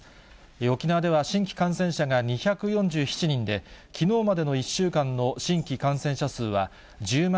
沖縄では新規感染者が２４７人で、きのうまでの１週間の新規感染者数は１０万